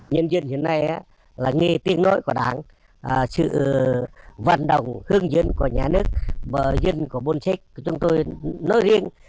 nhân dân hiện nay là nghề tiên nối của đảng sự vận động hương dân của nhà nước bờ dân của buôn sách của chúng tôi nói riêng